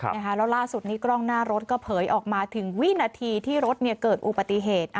แล้วล่าสุดนี้กล้องหน้ารถก็เผยออกมาถึงวินาทีที่รถเกิดอุบัติเหตุ